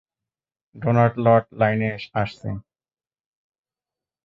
Donut lord লাইনে আসছে।